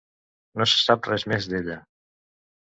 No se sap res més d'ella.